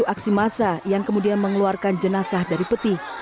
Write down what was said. aksi massa yang kemudian mengeluarkan jenazah dari peti